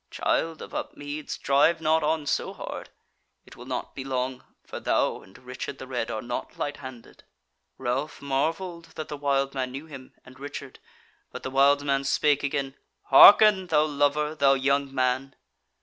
"Child of Upmeads, drive not on so hard: it will not be long. For thou and Richard the Red are naught lighthanded." Ralph marvelled that the wild man knew him and Richard, but the wild man spake again: "Hearken, thou lover, thou young man!"